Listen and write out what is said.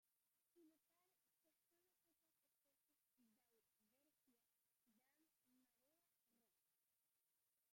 Y notar que solo pocas especies de "Dalbergia" dan madera rosa.